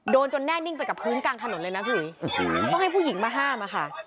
จนแน่นิ่งไปกับพื้นกลางถนนเลยนะพี่หุยโอ้โหต้องให้ผู้หญิงมาห้ามอะค่ะ